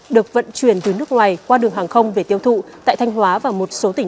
được vận chuyển từ nước ngoài qua đường hàng không về tiêu thụ tại thanh hóa và một số tỉnh